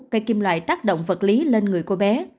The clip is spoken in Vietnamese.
cây kim loại tác động vật lý lên người cô bé